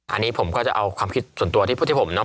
อันนี้ผมก็จะเอาความคิดส่วนตัวที่พูดให้ผมเนาะ